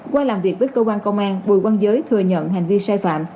qua làm việc với cơ quan công an bùi văn giới thừa nhận hành vi sai phạm